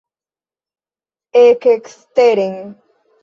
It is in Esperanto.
Ekeksteren!